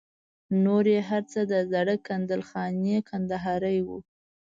نور یې هر څه د زاړه کندل خاني کندهاري وو.